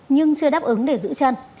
nhưng chưa đáp ứng để giữ chân